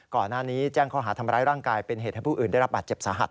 ก่อนหน้านี้แจ้งข้อหาทำร้ายร่างกายเป็นเหตุให้ผู้อื่นได้รับบาดเจ็บสาหัส